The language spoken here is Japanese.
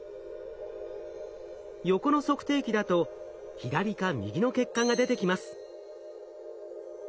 横の測定器だと左か右の結果が出てきます。